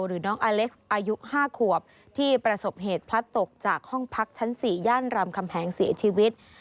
หรือน้องอเล็กซ์อายุ๕ขวบที่ประสบเหตุพลัดตกจากห้องพักชั้น๔ย่านรามคำแหงเสียชีวิต